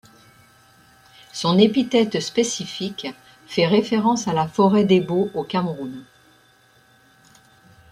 Son épithète spécifique fait référence à la forêt d'Ebo au Cameroun.